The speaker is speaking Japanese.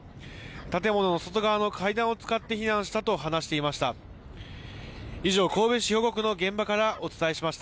建物の外側の階段を使って避難したと話していました。